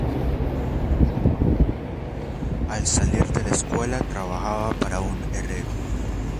Al salir de la escuela trabajaba para un herrero.